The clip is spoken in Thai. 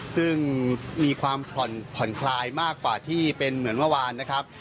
ซึ่งมีความผ่อนคลายมากกว่าที่เป็นเหมือนเมื่อวานนะครับ